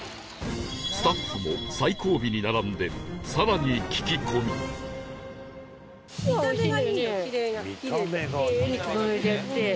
スタッフも最後尾に並んで更に聞き込み神業？